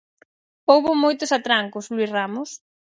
Houbo moitos atrancos, Luís Ramos?